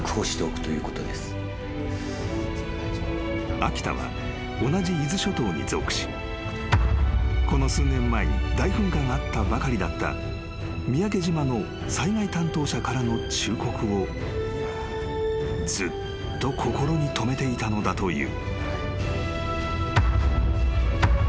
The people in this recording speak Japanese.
［秋田は同じ伊豆諸島に属しこの数年前に大噴火があったばかりだった三宅島の災害担当者からの忠告をずっと心に留めていたのだという］